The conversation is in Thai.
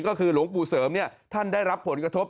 ก็คือหลวงปู่เสริมเนี่ยท่านได้รับผลกระทบ